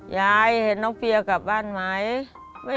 ยายเห็นน้องเฟียกลับบ้านไหม